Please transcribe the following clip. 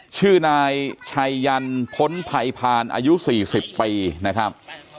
ชื่อนายชัยยันพ้นภัยพานอายุ๔๐ปีนะครับ